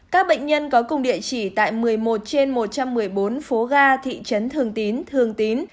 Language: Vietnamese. các bệnh nhân có cùng địa chỉ tại một mươi một trên một trăm một mươi bốn phố ga thị trấn thường tín thường tín